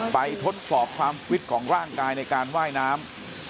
ทดสอบความฟิตของร่างกายในการว่ายน้ำ